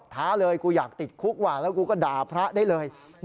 ท้าเลยกูอยากติดคุกว่ะแล้วกูก็ด่าพระได้เลย